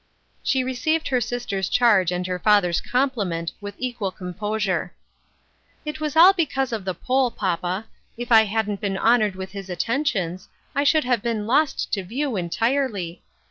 She received her sister's charge and her father's compliment with equal composure. " It was all because of the Pole, papa. If I hadn't been honored with his attentions, I should have been lost to view entirely.